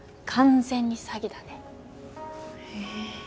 完全に詐欺だねえ